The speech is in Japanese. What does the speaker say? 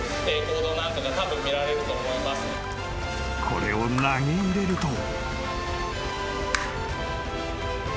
［これを投げ入れると］